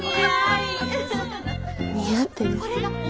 似合ってる？